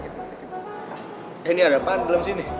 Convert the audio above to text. eh ini ada apaan dalam sini